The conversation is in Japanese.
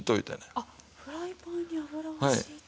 あっフライパンに油を引いて。